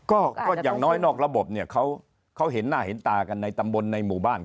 ก็อย่างน้อยนอกระบบเนี่ยเขาเห็นหน้าเห็นตากันในตำบลในหมู่บ้าน